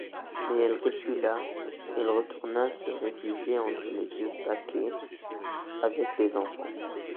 Mais elle recula, elle retourna se réfugier entre les deux baquets, avec les enfants.